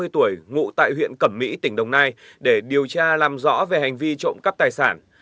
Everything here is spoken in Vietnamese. ba mươi tuổi ngụ tại huyện cẩm mỹ tỉnh đồng nai để điều tra làm rõ về hành vi trộm cắp tài sản